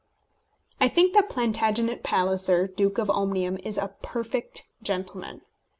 I think that Plantagenet Palliser, Duke of Omnium, is a perfect gentleman.